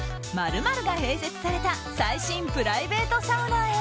○○が併設された最新プライベートサウナへ。